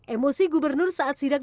emosi gubernur saat sidak